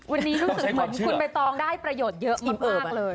วันนี้รู้สึกเหมือนคุณใบตองได้ประโยชน์เยอะมากเลย